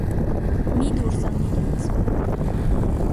մի դուրս անիր ինձ…